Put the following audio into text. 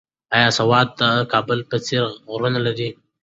ایا سوات د کابل په څېر غرونه لري؟